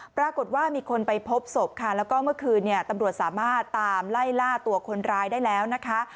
ปรากฏว่ามีคนไปพบศพค่ะแล้วก็เมื่อคืนเนี่ยตำรวจสามารถตามไล่ล่าตัวคนร้ายได้แล้วนะคะ